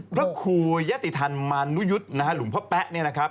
พระคูยติธรรมนุยุธนะฮะหลุมพระแป๊ะเนี่ยนะครับ